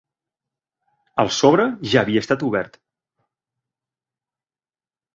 El sobre ja havia estat obert.